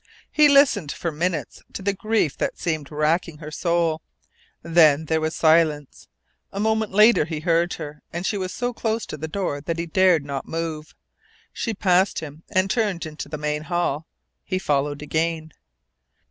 He listened for minutes to the grief that seemed racking her soul. Then there was silence. A moment later he heard her, and she was so close to the door that he dared not move. She passed him, and turned into the main hall. He followed again.